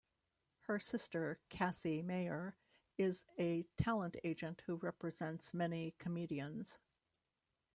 Her sister Cassie Mayer is a talent agent who represents many comedians.